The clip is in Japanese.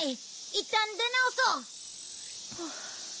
いったん出直そう。